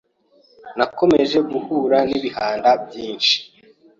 Nakomeje guhura n’ibihanda byinshi